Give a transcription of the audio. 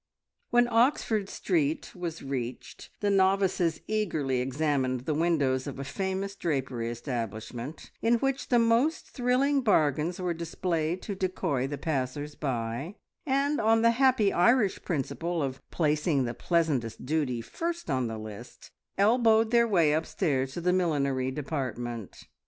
When Oxford Street was reached, the novices eagerly examined the windows of a famous drapery establishment, in which the most thrilling bargains were displayed to decoy the passers by, and on the happy Irish principle of placing the pleasantest duty first on the list, elbowed their way upstairs to the millinery department.